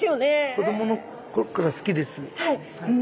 子どもの頃から好きです。